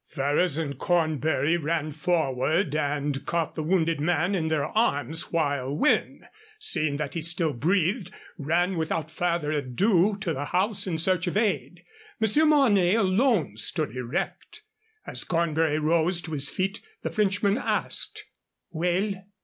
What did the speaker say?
Ferrers and Cornbury ran forward and caught the wounded man in their arms, while Wynne, seeing that he still breathed, ran without further ado to the house in search of aid. Monsieur Mornay alone stood erect. As Cornbury rose to his feet the Frenchman asked: "Well?"